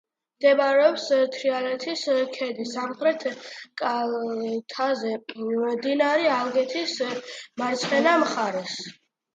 მდებარეობს თრიალეთის ქედის სამხრეთ კალთაზე, მდინარე ალგეთის მარცხენა მხარეს.